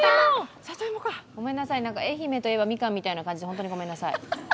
ごめんなさい、愛媛といえばみかんみたいな感じで、ホントにごめんなさい。